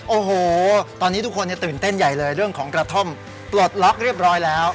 โอ้โหตอนนี้ทุกคนตื่นเต้นใหญ่เลยเรื่องของกระท่อมปลดล็อกเรียบร้อยแล้ว